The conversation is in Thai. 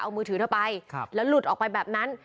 เอามือถือเธอไปแล้วหลุดออกไปแบบนั้น